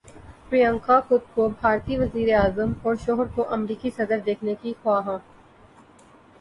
پریانکا خود کو بھارتی وزیر اعظم اور شوہر کو امریکی صدر دیکھنے کی خواہاں